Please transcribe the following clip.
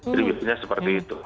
jadi gitu seperti itu